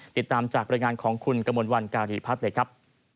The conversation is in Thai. ติดตามจากบรรยายงานของคุณกมลวันการีพัฒน์เลยครับ